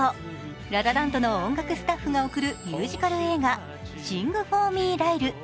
「ラ・ラ・ランド」の音楽スタッフが贈るミュージカル映画「シング・フォー・ミー、ライル」